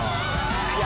いや